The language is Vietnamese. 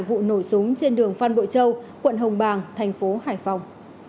vụ nổ súng trên đường phan bội châu quận hồng bàng tp hải phòng